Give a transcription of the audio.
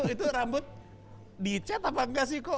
itu rambut dicet apa enggak sih kok